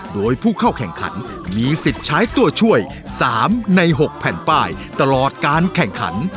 โดยผู้เข้าแข่งขันมีสิทธิ์ใช้ตัวช่วย๓ใน๖แผ่นป้ายตลอดการแข่งขัน